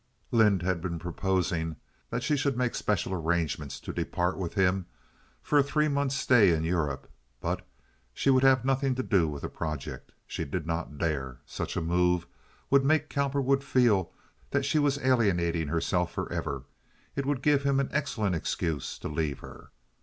Lynde had been proposing that she should make special arrangements to depart with him for a three months' stay in Europe, but she would have nothing to do with the project. She did not dare. Such a move would make Cowperwood feel that she was alienating herself forever; it would give him an excellent excuse to leave her.